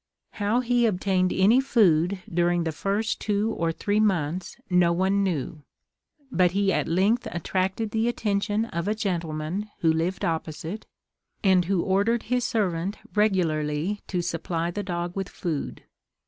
How he obtained any food during the first two or three months no one knew, but he at length attracted the attention of a gentleman who lived opposite, and who ordered his servant regularly to supply the dog with food.